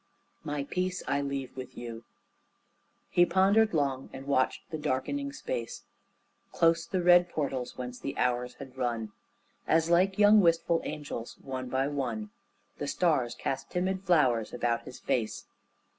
"MY PEACE I LEAVE WITH YOU" He pondered long, and watched the darkening space Close the red portals whence the hours had run, As like young wistful angels, one by one, The stars cast timid flowers about His face.